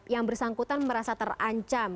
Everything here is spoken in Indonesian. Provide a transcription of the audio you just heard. yang bersangkutan merasa terancam